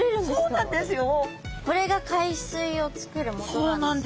そうなんですよ。